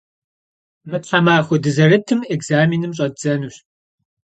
Mı themaxue dızerıtım ekzamenım ş'eddzenuş.